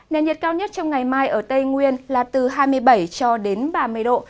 nền nhiệt cao nhất trong ngày mai ở tây nguyên là từ hai mươi bảy cho đến ba mươi độ